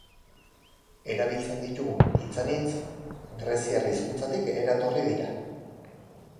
Erabiltzen ditugun hitz anitz greziar hizkuntzatik eratorri dira.